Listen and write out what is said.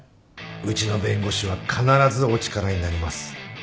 うちの弁護士は必ずお力になります。